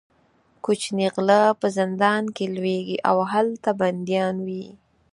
کوچني غله په زندان کې لویېږي او هلته بندیان وي.